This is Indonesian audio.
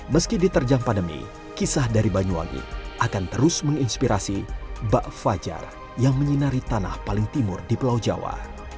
meski diterjang pandemi kisah dari banyuwangi akan terus menginspirasi bak fajar yang menyinari tanah paling timur di pulau jawa